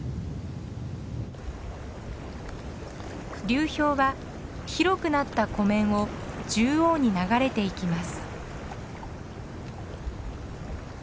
流氷は広くなった湖面を縦横に流れていきます。